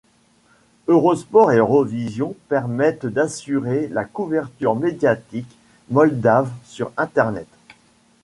Eurosport et Eurovision permettent d'assurer la couverture médiatique moldave sur Internet.